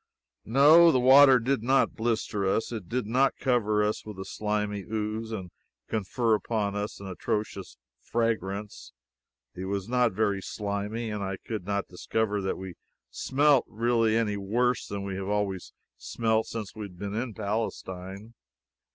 No, the water did not blister us; it did not cover us with a slimy ooze and confer upon us an atrocious fragrance; it was not very slimy; and I could not discover that we smelt really any worse than we have always smelt since we have been in Palestine.